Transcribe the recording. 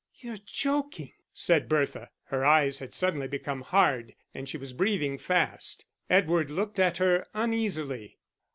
"You're joking," said Bertha; her eyes had suddenly become hard, and she was breathing fast. Edward looked at her uneasily.